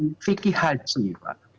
perubahan fikir haji pak